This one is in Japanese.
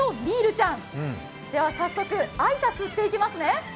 では早速、挨拶していきますね。